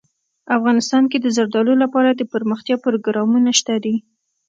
افغانستان کې د زردالو لپاره دپرمختیا پروګرامونه شته دي.